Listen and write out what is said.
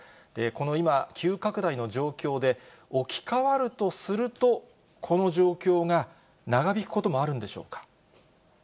この今、急拡大の状況で、置き換わるとすると、この状況が長引くこともあるんでしょうか。